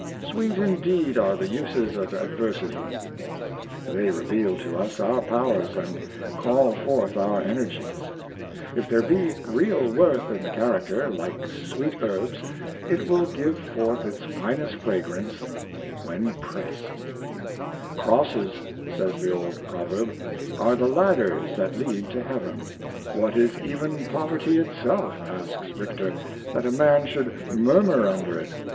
" Sweet indeed are the uses of adversity. " They re veal to us our powers, and call forth our energies. If there be real worth in the character, like sweet herbs, it will give forth its finest fragrance when pressed. 312 The School of Difficult'" the Best School, ^' Crosses," says the old proverb, " are the ladders that lead to heaven." "What is even poverty itself," asks Richter, "that a man should murmur under it?